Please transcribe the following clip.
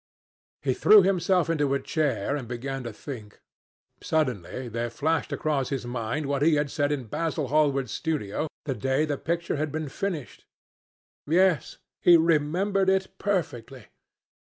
He threw himself into a chair and began to think. Suddenly there flashed across his mind what he had said in Basil Hallward's studio the day the picture had been finished. Yes, he remembered it perfectly.